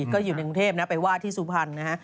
ก็อยู่ในกรุงเทพฯไปวาดที่สุพรรณ